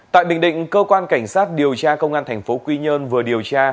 tại bình định cơ quan cảnh sát điều tra công an tp quy nhơn vừa điều tra